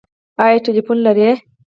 ایا ټیلیفون لرئ؟